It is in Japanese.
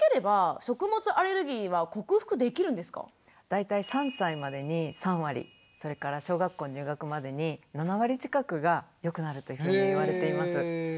大体３歳までに３割それから小学校入学までに７割近くが良くなるというふうに言われています。